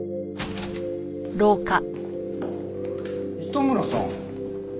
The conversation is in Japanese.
糸村さん。